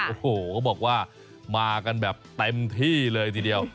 โอ้โหเขาบอกว่ามากันแบบเต็มที่เลยทีเดียว